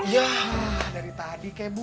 iya dari tadi kebu